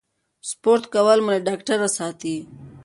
سپورت کول مو له ډاکټره ساتي.